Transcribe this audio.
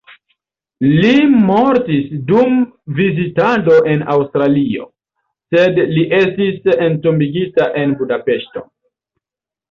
Li mortis dum vizitado en Aŭstralio, sed li estis entombigita en Budapeŝto.